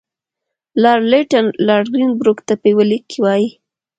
لارډ لیټن لارډ ګرین بروک ته په یوه لیک کې وایي.